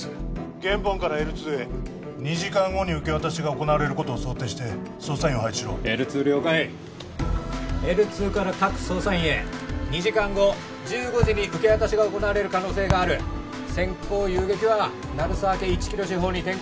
ゲンポンからＬ２へ２時間後に受け渡しが行われることを想定して捜査員を配置しろＬ２了解Ｌ２から各捜査員へ２時間後１５時に受け渡しが行われる可能性があるセンコウユウゲキは鳴沢家１キロ四方に展開